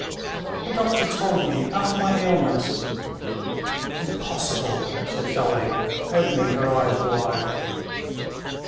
"The doctor told me after my illness...." "Impossible!" said Dolly, opening her eyes wide.